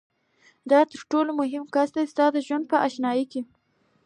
دا تر ټولو مهم کس دی ستا د ژوند په آشیانه کي